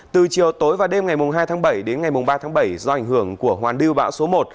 từ chiều tối và đêm ngày hai tháng bảy đến ngày ba tháng bảy do ảnh hưởng của hoàn lưu bão số một